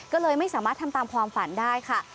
ก็เลยไม่สามารถทำตามความฝันได้ค่ะ